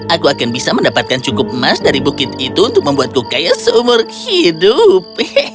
aku akan bisa mendapatkan cukup emas dari bukit itu untuk membuatku kaya seumur hidup